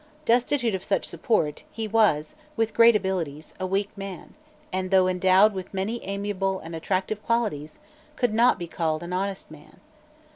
Destitute of such support, he was, with great abilities, a weak man, and, though endowed with many amiable and attractive qualities, could not be called an honest man.